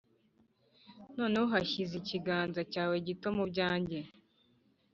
noneho washyize ikiganza cyawe gito mu byanjye ...